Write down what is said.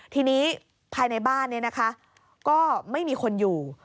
ทีนี้ภายในบ้านก็ไม่มีคนอยู่